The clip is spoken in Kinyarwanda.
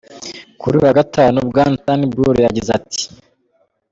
Kuri uyu wa gatanu, Bwana Turnbull yagize ati:.